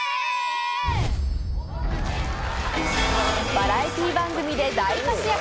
バラエティー番組で大活躍